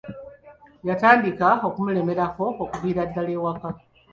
Yatandika okumulemerako okuviira ddala ewaka.